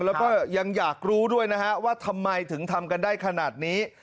แล้วก็ยังอยากรู้ด้วยนะฮะว่าทำไมถึงทำกันได้ขนาดนี้